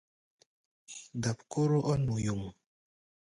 Dap kóró ɔ́ ŋuyuŋ.